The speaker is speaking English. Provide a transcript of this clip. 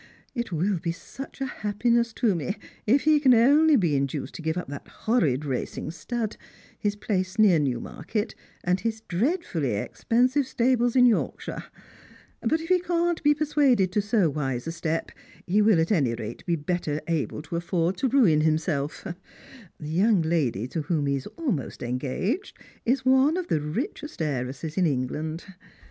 It will be such a happiness to me if he can only be induced to give up that horrid racing stud, his place near Newmarket, and his dreadfully expensive stables in l^ork shire ; but if he can't be persuaded to so wise a step, he will at any rate be better able to afford to ruin himself The young lady to whom he is almost engaged is one of the richest heiresses in England.